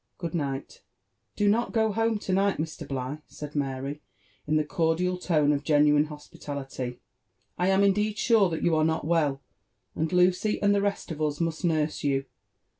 Good Bight r* "Do not go home to night, Mr. Bligh," said Mary, in the cordial tone of genuine hospitality. I am indeed sure that you are not well, and Lucy and the rest of us must nurse you.